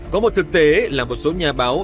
có một thực tế là một số nhà báo